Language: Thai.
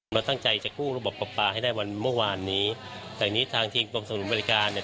เราตั้งใจจะกู้ระบบปลาปลาให้ได้วันเมื่อวานนี้แต่นี้ทางทีมกรมสนุนบริการเนี่ย